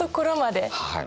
はい。